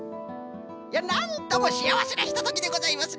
いやなんともしあわせなひとときでございますね